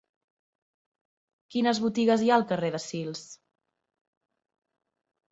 Quines botigues hi ha al carrer de Sils?